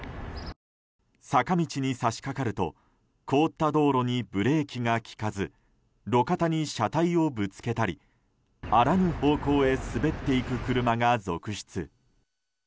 坂道に差し掛かると凍った道路にブレーキが利かず路肩に車体をぶつけたりあらぬ方向へ滑っていく車が続出。